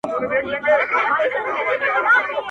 زه سجدې ته وم راغلی تا پخپله یم شړلی.!